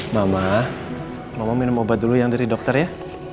mama minum obat dulu yang dari dokter ya